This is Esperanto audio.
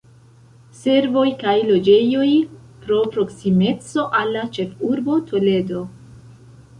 Servoj kaj loĝejoj pro proksimeco al la ĉefurbo Toledo.